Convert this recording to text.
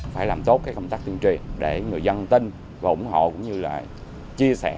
phải làm tốt công tác tiên triệt để người dân tin và ủng hộ cũng như là chia sẻ